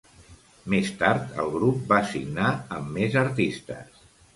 Més tard, el grup va signar amb més artistes.